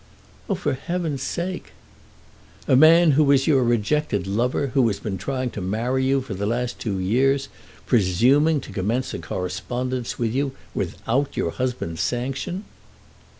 "Oh, for heaven's sake!" "A man who was your rejected lover, who has been trying to marry you for the last two years, presuming to commence a correspondence with you without your husband's sanction!"